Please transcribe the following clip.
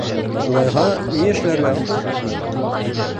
Улайһа, ни эшләргә һуң?